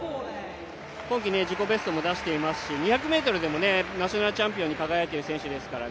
今季自己ベストも出していますし、２００ｍでもナショナルチャンピオンに輝いている選手ですから